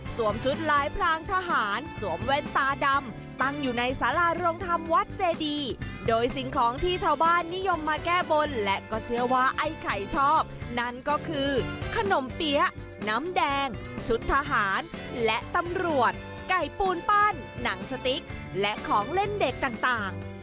ชุดลายพรางทหารสวมแว่นตาดำตั้งอยู่ในสาราโรงธรรมวัดเจดีโดยสิ่งของที่ชาวบ้านนิยมมาแก้บนและก็เชื่อว่าไอ้ไข่ชอบนั่นก็คือขนมเปี๊ยะน้ำแดงชุดทหารและตำรวจไก่ปูนปั้นหนังสติ๊กและของเล่นเด็กต่าง